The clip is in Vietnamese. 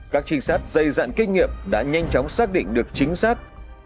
các trinh sát dây dạn kinh nghiệm đã nhanh chóng xác định được chính xác